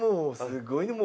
すごいね！